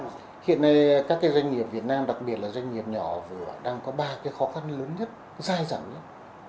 hiện nay các doanh nghiệp việt nam đặc biệt là doanh nghiệp nhỏ vừa đang có ba cái khó khăn lớn nhất dai dẳng nhất